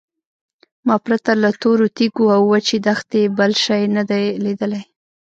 ما پرته له تورو تیږو او وچې دښتې بل شی نه دی لیدلی.